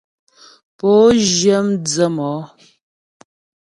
Pǒ zhyə mdzə̌ mɔ́.